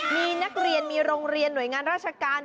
มีนักเรียนมีโรงเรียนหน่วยงานราชการ